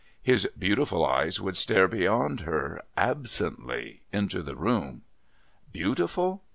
His beautiful eyes would stare beyond her, absently into the room. Beautiful!